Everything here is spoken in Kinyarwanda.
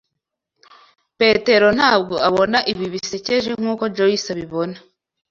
Petero ntabwo abona ibi bisekeje nkuko Joyce abibona.